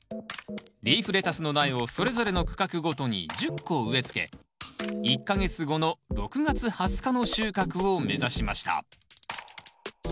リーフレタスの苗をそれぞれの区画ごとに１０個植えつけ１か月後の６月２０日の収穫を目指しました。